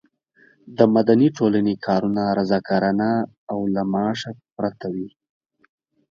د مدني ټولنې کارونه رضاکارانه او له معاش پرته وي.